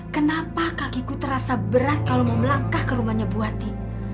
kenapa kakiku terasa berat kalau mau melangkah ke rumahnya buati